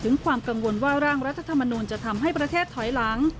ความกังวลว่าร่างรัฐธรรมนูลจะทำให้ประเทศถอยหลัง